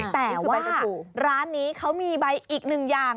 แต่คือร้านนี้เขามีใบอีกหนึ่งอย่าง